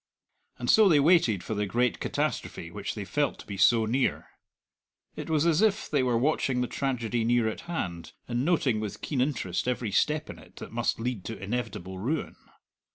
And so they waited for the great catastrophe which they felt to be so near. It was as if they were watching the tragedy near at hand, and noting with keen interest every step in it that must lead to inevitable ruin.